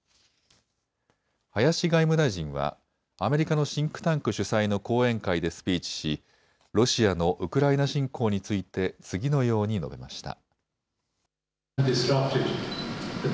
林外務大臣はアメリカのシンクタンク主催の講演会でスピーチしロシアのウクライナ侵攻について次のように述べました。